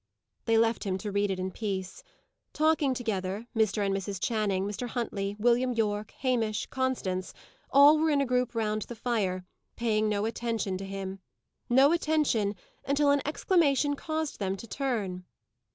They left him to read it in peace. Talking together Mr. and Mrs. Channing, Mr. Huntley, William Yorke, Hamish, Constance all were in a group round the fire, paying no attention to him. No attention, until an exclamation caused them to turn.